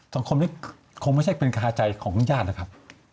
สังคมนี้คงไม่ใช่เป็นคาใจของญาตินะครับ